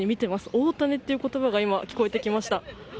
大谷という言葉が聞こえてきました。